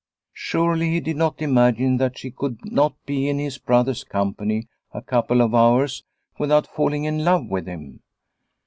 Surely he did not imagine that she could not be in his brother's company a couple of hours without falling in love with him